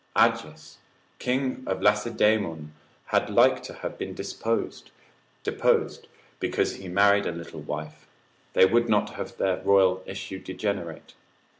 Agis, king of Lacedaemon, had like to have been deposed, because he married a little wife, they would not have their royal issue degenerate.